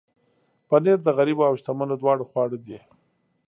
پنېر د غریبو او شتمنو دواړو خواړه دي.